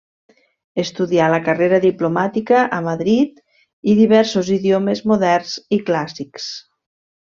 Estudià la carrera diplomàtica a Madrid i diversos idiomes moderns i clàssics.